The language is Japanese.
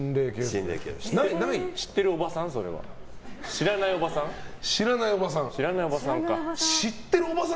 それは知ってるおばさん？